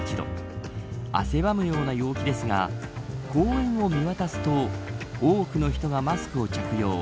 汗ばむような陽気ですが公園を見渡すと多くの人がマスクを着用。